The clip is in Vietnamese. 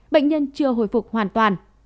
bệnh nhân chưa hồi phục hoàn toàn